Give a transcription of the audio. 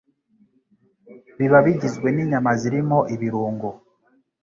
biba bigizwe n’inyama zirimo ibirungo